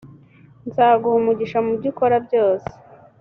nzaguha umugisha mu byo ukora byose